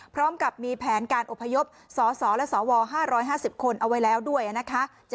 พร้อมกับมีแผนการอพยพสสและสว๕๕๐คนเอาไว้แล้วด้วยนะคะ